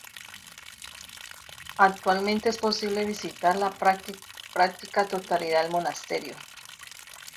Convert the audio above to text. Actualmente es posible visitar la práctica totalidad del monasterio.